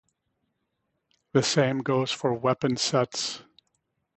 The same goes for weapon sets.